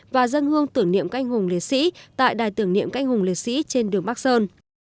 và dân hương tưởng niệm các anh hùng liên sĩ tại đài tưởng niệm các anh hùng liên sĩ trên đường bắc sơn